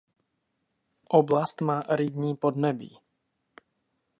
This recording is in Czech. Oblast má aridní podnebí.